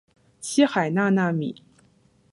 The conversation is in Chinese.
七海娜娜米